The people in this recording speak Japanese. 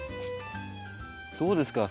どうですか？